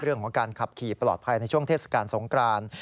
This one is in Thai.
เรื่องของการขับขี่ปลอดภัยในช่วงเทศกาลสงคราน